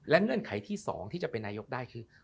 เงื่อนไขที่๒ที่จะเป็นนายกได้คือ